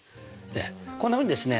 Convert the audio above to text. こんなふうにですね